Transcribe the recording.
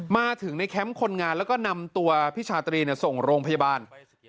มาถึงในแคมป์คนงานแล้วก็นำตัวพี่ชาตรีส่งโรงพยาบาล